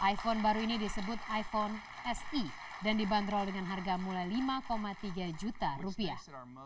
iphone baru ini disebut iphone se dan dibanderol dengan harga mulai lima tiga juta rupiah